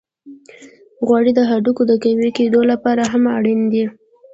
غوړې د هډوکو د قوی کیدو لپاره هم اړینې دي.